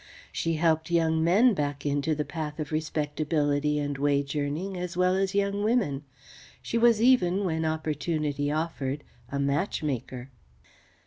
She helped young men back into the path of respectability and wage earning as well as young women. She was even, when opportunity offered, a matchmaker.